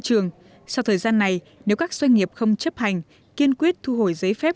trường sau thời gian này nếu các doanh nghiệp không chấp hành kiên quyết thu hồi giấy phép